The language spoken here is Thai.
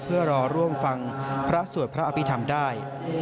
เพื่อรอร่วมฟังพระสวดพระอภิษฐรรมได้